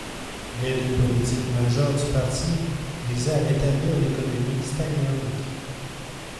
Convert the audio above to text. Les deux politiques majeures du parti visaient à rétablir l'économie stagnante.